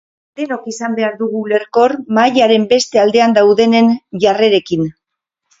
Denok izan behar dugu ulerkor mahaiaren beste aldean daudenen jarrerekin.